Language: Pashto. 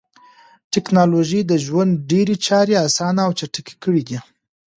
ټکنالوژي د ژوند ډېری چارې اسانه او چټکې کړې دي.